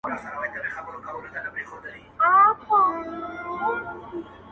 نیل د قهر به یې ډوب کړي تور لښکر د فرعونانو-